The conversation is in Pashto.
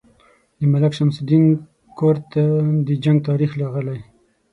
د ملک شمس الدین کرت د جنګ تاریخ راغلی.